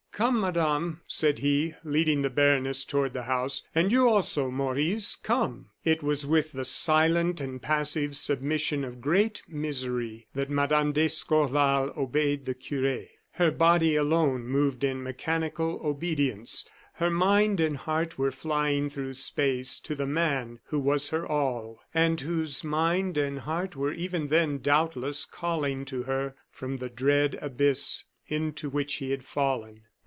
"Come, Madame," said he, leading the baroness toward the house; "and you, also, Maurice, come!" It was with the silent and passive submission of great misery that Mme. d'Escorval obeyed the cure. Her body alone moved in mechanical obedience; her mind and heart were flying through space to the man who was her all, and whose mind and heart were even then, doubtless, calling to her from the dread abyss into which he had fallen.